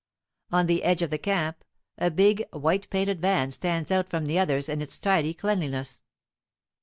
On the edge of the camp a big, white painted van stands out from the others in its tidy cleanliness.